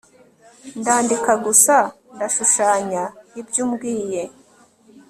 Ndandika gusa ndashushanya ibyo umbwiye